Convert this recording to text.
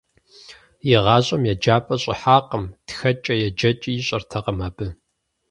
ИгъащӀэм еджапӏэ щӀыхьакъым, тхэкӀэ-еджэкӀи ищӀэртэкъым абы.